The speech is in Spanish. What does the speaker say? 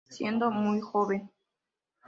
Siendo muy joven.